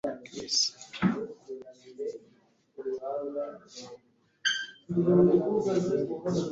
Ntabwo nigera mpaka nabantu nka Chris